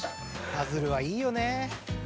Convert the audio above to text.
パズルはいいよね。